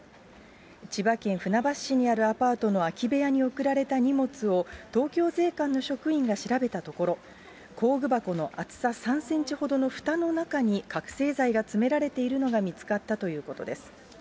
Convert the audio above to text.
千葉県船橋市にあるアパートの空き部屋に送られた荷物を、東京税関の職員が調べたところ、工具箱の厚さ３センチほどのふたの中に覚醒剤が詰められているのが見つかったということです。